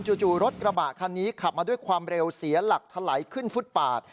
จู่รถกระบะคันนี้ขับมาด้วยความเร็วเสียหลักถลายขึ้นฟุตปาด